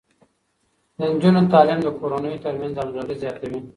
د نجونو تعليم د کورنيو ترمنځ همغږي زياتوي.